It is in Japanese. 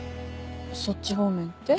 そっち方面って？